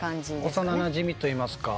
幼なじみといいますか。